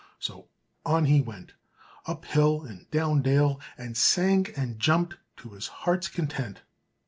So on he went, up hill and down dale; and sang and jumped to his heart's content.